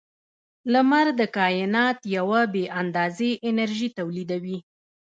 • لمر د کائنات یوه بې اندازې انرژي تولیدوي.